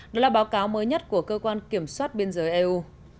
đó là báo cáo mới nhất của cơ quan kiểm soát biên giới eu